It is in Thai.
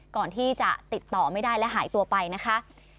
ก่อนที่จะติดต่อไม่ได้และหายตัวไปนะคะ